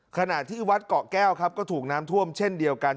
ขณะที่วัดเกาะแก้วครับก็ถูกน้ำท่วมเช่นเดียวกัน